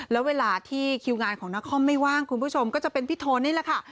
แล้วเวลาที่คิวงานของนครไม่ว่างคุณผู้ชมก็จะเป็นพี่โทนนี่แหละค่ะ